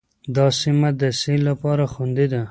دا سیمه د سیل لپاره خوندي ده.